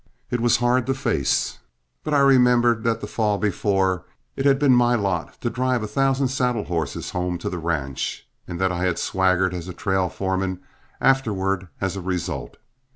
It was hard to face; but I remembered that the fall before it had been my lot to drive a thousand saddle horses home to the ranch, and that I had swaggered as a trail foreman afterward as the result.